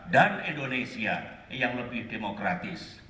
dan indonesia yang lebih demokratis